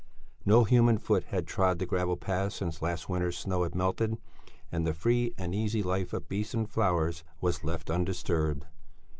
No human foot had trod the gravel paths since last winter's snow had melted, and the free and easy life of beasts and flowers was left undisturbed.